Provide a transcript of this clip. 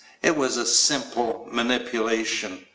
It was a simple manipulation.